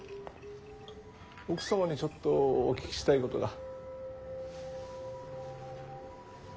奥様にちょっとお聞きしたいことが。